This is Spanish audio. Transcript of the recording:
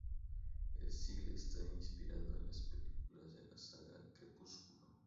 El single está inspirado en las películas de la saga Crepúsculo.